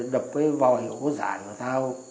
đập với vòi hổ dại của tao